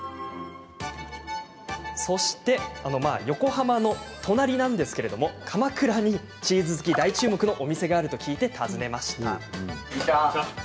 そして、あのー横浜の隣なんですが鎌倉に、チーズ好き大注目のお店があると聞いて訪ねました。